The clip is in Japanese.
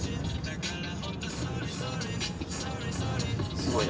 すごいね。